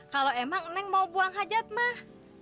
kalau emang neng mau buang hajat mah